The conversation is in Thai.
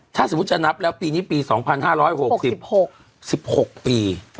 ถ้าสมมุติจะนับแล้วปีนี้ปี๒๕๖๖๑๖ปี